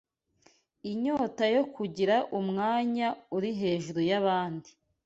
Inyota yo kugira umwanya uri hejuru y’abandi